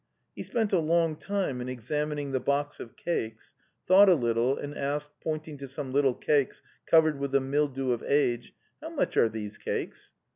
He spent a long time in examining the box of cakes, thought a little and asked, pointing to some little cakes covered with the mildew of age: '" How much are these cakes?"